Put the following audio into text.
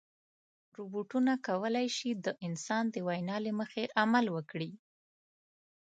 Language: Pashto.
روبوټونه کولی شي د انسان د وینا له مخې عمل وکړي.